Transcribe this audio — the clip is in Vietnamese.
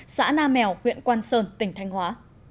xã na mèo huyện quang sơn tỉnh thanh hóa